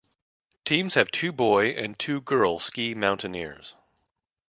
Teams have two boy and two girl ski mountaineers.